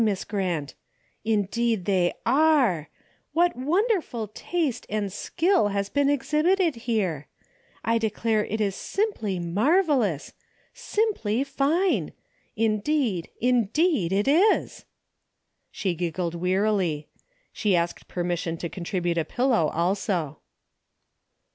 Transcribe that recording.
Miss Grant ? Indeed they are ! What wonderful taste and shill has been exhibited here ! I declare it is simply marvelous ! Simply fine ! 1 xh\.qq 6.— indeed— ii is !" she gig gled wearily. She asked permission to con tribute a pillow also.